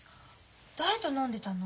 誰と飲んでたの？